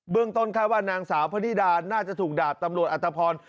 เบื้องต้นใครว่านางสาวพะนิดาน่าจะถูกดาบตำรวจอัตภพร